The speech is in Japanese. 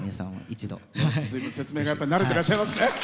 ずいぶん、説明が慣れていらっしゃいますね。